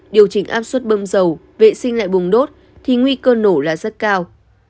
điều chỉnh áp suất bơm dầu vệ sinh lại bùng đốt thì nguy cơ nổ là rất cao